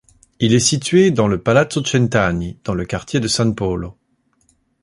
Il est situé dans le palazzo Centani dans le quartier de San Polo.